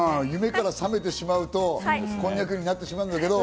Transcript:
夢から覚めてしまうと、こんにゃくになってしまう。